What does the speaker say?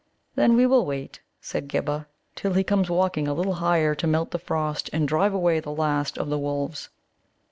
"Then we will wait," said Ghibba, "till he come walking a little higher to melt the frost and drive away the last of the wolves."